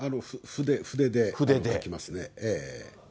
筆で書きますね。